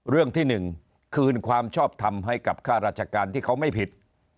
เรื่องที่๑คืนความชอบทำให้กับค่าราชการที่เขาไม่ผิด